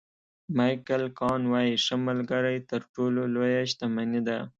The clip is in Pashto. مایکل کاون وایي ښه ملګری تر ټولو لویه شتمني ده.